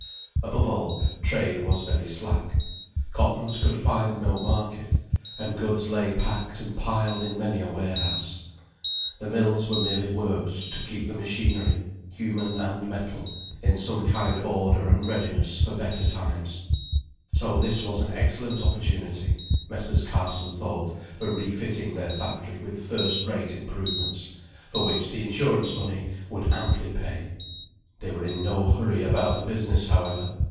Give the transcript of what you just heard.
Above all, trade was very slack; cottons could find no market, and goods lay packed and piled in many a warehouse. The mills were merely worked to keep the machinery, human and metal, in some kind of order and readiness for better times. So this was an excellent opportunity, Messrs. Carson thought, for refitting their factory with first rate improvements, for which the insurance money would amply pay. They were in no hurry about the business, however.